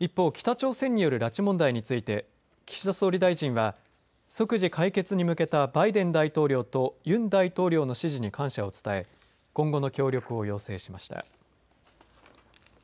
一方、北朝鮮による拉致問題について岸田総理大臣は即時解決に向けたバイデン大統領とユン大統領の支持に感謝を伝え今後の協力を要請しました。